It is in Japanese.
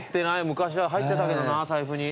昔は入ってたけどな財布に。